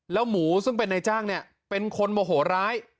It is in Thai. แล้วหมูซึ่งเป็นนายจ้างเนี่ยเป็นคนโมโหร้าย